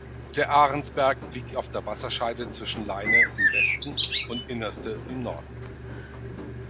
Der Ahrensberg liegt auf der Wasserscheide zwischen Leine im Westen und Innerste im Norden.